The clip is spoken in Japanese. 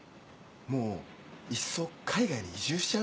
もういっそ海外に移住しちゃう？